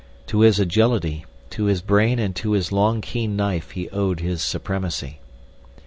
To his agility, to his brain and to his long keen knife he owed his supremacy.